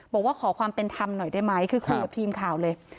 บอกว่าขอความเป็นธรรมหน่อยได้ไหมคือคุยกับทีมข่าวเลย